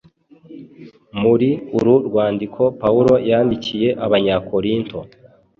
Muri uru rwandiko Pawulo yandikiye Abanyakorinto,